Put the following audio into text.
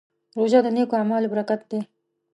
روژه د نېکو اعمالو برکت دی.